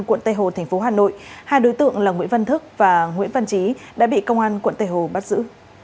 quận tây hồ thành phố hà nội hai đối tượng là nguyễn văn thức và nguyễn văn trí đã bị công an quận tây hồ bắt giữ